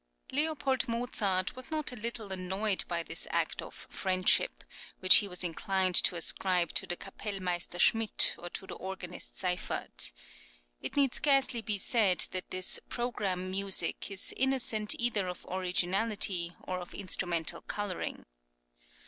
Leopold Mozart was not a little annoyed by this act of friendship, which he was inclined to ascribe to the Kapellmeister Schmidt or to the organist Seyffert. It need scarcely be said that this "programme music" is innocent either of originality or of instrumental colouring.